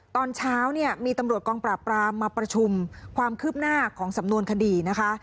ตอนเช้าเนี่ยมีตำรวจกองปราบปรามมาประชุมความคืบหน้าของสำนวนคดีนะคะ